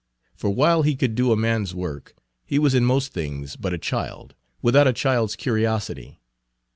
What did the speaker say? For while he could do a man's work, he was in most things but a child, Page 156 without a child's curiosity.